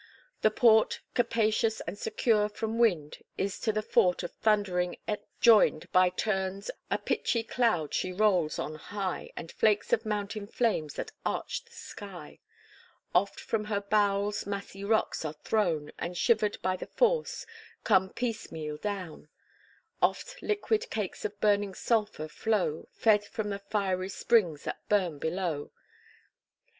The port, capacious and secure from wind, Is to the fort of thundering Ætna joined, By turns a pitchy cloud she rolls on high, And flakes of mountain flames that arch the sky; Oft from her bowels massy rocks are thrown, And shivered by the force, come piece meal down; Oft liquid cakes of burning sulphur flow, Fed from the fiery springs that burn below.